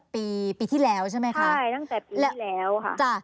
ตั้งแต่ปีที่แล้วใช่ไหมคะใช่ตั้งแต่ปีที่แล้วค่ะ